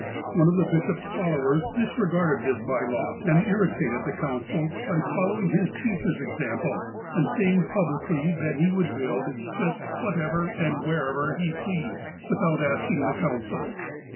One of the bishop's fol lowers disregarded this by law, and irritated the council by following his teacher's example, and saying publicly 1 THE SERPENT 277 that he would build just whatever, and wherever he pleased, without asking the council.